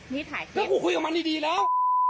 นั้นกูคุยกับมนนอย่างดีแล้ว